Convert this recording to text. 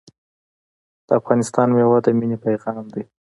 د افغانستان میوه د مینې پیغام دی.